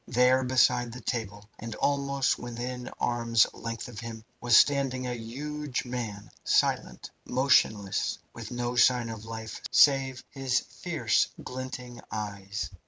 There, beside the table, and almost within arm's length of him, was standing a huge man, silent, motionless, with no sign of life save his fierce glinting eyes.